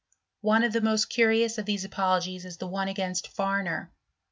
One of the most curioi these apologies is the one against Farmer.